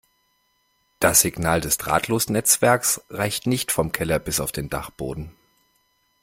Das Signal des Drahtlosnetzwerks reicht nicht vom Keller bis auf den Dachboden.